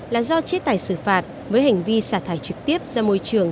là do chế tài xử phạt với hành vi xả thải trực tiếp ra môi trường